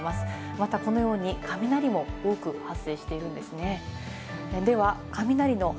またこのように雷も多く発生しているんですね。